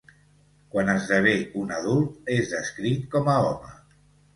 Quan esdevé un adult, és descrit com a home.